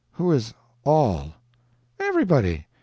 "Who is 'all'?" "Everybody.